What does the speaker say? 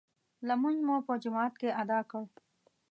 لمونځ مو په جماعت ادا کړ.